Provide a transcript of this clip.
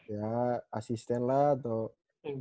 ya asisten lah atau coach in